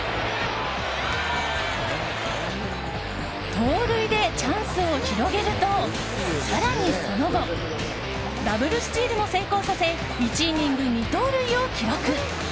盗塁でチャンスを広げると更にその後ダブルスチールも成功させ１イニング２盗塁を記録。